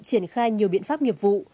triển khai nhiều biện pháp nghiệp vụ